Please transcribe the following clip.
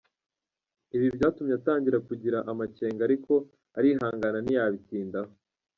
Ibi byatumye atangira kugira amakenga ariko arihangana ntiyabitindaho.